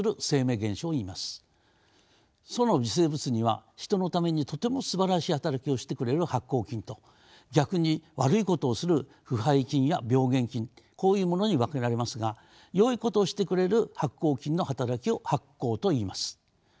その微生物には人のためにとてもすばらしい働きをしてくれる発酵菌と逆に悪いことをする腐敗菌や病原菌こういうものに分けられますがよいことをしてくれる発酵菌の働きを発酵といいます。